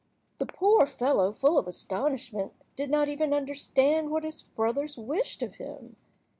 The poor fellow, full of astonishment, did not even understand what his brothers wished of him.